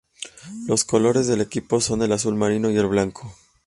Los colores del equipo son el azul marino y el blanco.